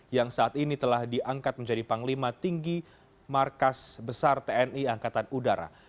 yang saat ini telah diangkat menjadi panglima tinggi markas besar tni angkatan udara